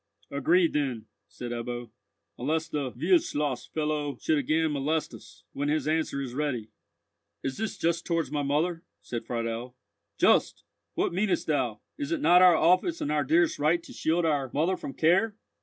"Agreed then," said Ebbo, "unless the Wildschloss fellow should again molest us, when his answer is ready." "Is this just towards my mother?" said Friedel. "Just! What mean'st thou? Is it not our office and our dearest right to shield our mother from care?